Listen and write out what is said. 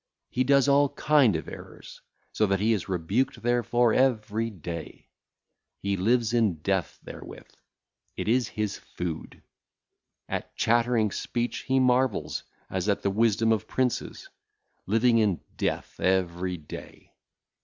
He doeth all kind of errors, so that he is rebuked therefor every day. He liveth in death therewith; it is his food. At chattering speech he marvelleth, as at the wisdom of princes, living in death every day.